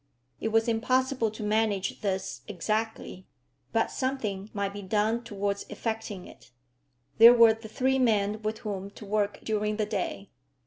It was impossible to manage this exactly; but something might be done towards effecting it. There were the three men with whom to work during the day.